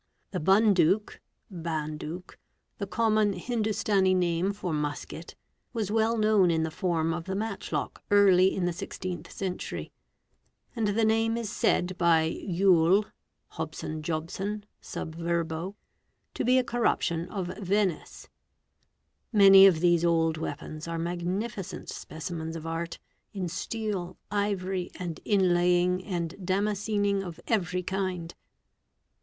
The Bundook (Banduk), the common Hindustani name or musket, was well known in the form of the matchlock early in the 6th century, and the name is said by Yule (Hobson Jobson, s.v.) to be a orruption of 'Venice.' Many of these old weapons are magnificient pecimens of art, in steel, ivory, and inlaying and damascening of every ind.